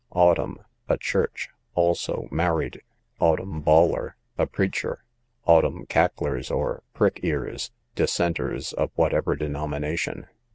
Autumn, a church; also married. Autumn bawler, a preacher. Autumn cacklers or prick ears, dissenters of whatever denomination.